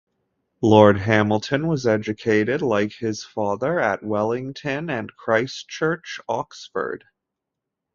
Lord Hamilton was educated, like his father, at Wellington and Christ Church, Oxford.